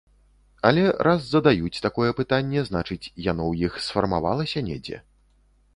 Але раз задаюць такое пытанне, значыць, яно ў іх сфармавалася недзе.